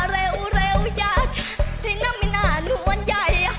เร็วเร็วยาชะที่น้ำไม่นานวนใย